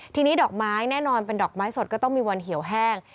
ทีนี้ดอกไม้แน่นอนเป็นดอกไม้สดก็ต้องมีวันเหี่ยวแห้ง